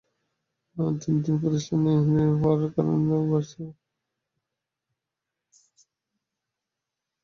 দিন দিন প্রতিষ্ঠানটির পরিসর বাড়ার কারণে বাড়ছে কাজের পরিধি, বাড়ছে কর্মসংস্থান।